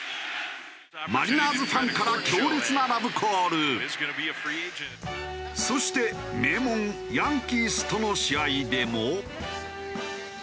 マリナーズファンからそして名門ヤンキースとの試合でも。